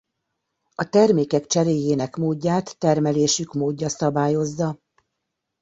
A termékek cseréjének módját termelésük módja szabályozza.